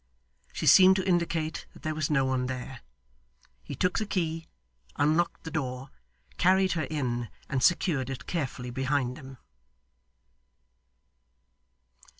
She seemed to indicate that there was no one there. He took the key, unlocked the door, carried her in, and secured it carefully behind them.